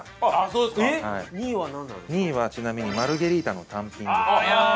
２位はちなみにマルゲリータの単品。